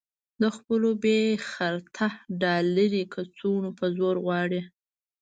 د خپلو بې خرطه ډالري کڅوړو په زور غواړي.